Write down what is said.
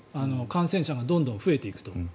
感染者がどんどん増えていくと。